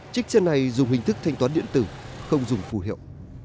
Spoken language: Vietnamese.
chiếc xe này dùng hình thức thanh toán điện tử không dùng phù hiệu